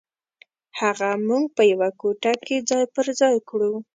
هغه موږ په یوه کوټه کې ځای پر ځای کړو.